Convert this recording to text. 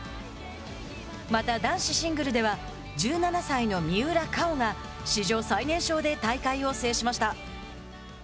また、男子シングルでは１７歳の三浦佳生が史上最年少で大会を制しました。